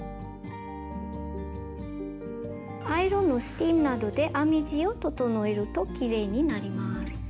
アイロンのスチームなどで編み地を整えるときれいになります。